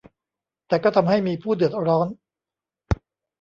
แต่ก็ทำให้มีผู้เดือดร้อน